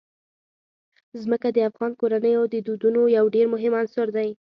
ځمکه د افغان کورنیو د دودونو یو ډېر مهم عنصر دی.